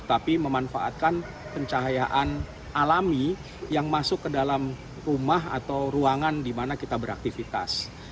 tapi memanfaatkan pencahayaan alami yang masuk ke dalam rumah atau ruangan di mana kita beraktivitas